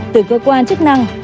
từ cơ quan chức năng